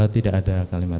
tidak ada kalimat